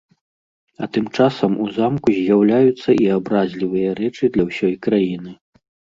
А тым часам у замку з'яўляюцца і абразлівыя рэчы для ўсё краіны.